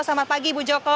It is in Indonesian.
selamat pagi ibu joko